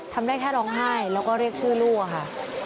ทำได้แค่ร้องไห้แล้วก็เรียกชื่อลูกอะค่ะ